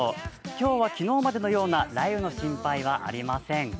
今日は昨日までのような雷雨の心配はありません。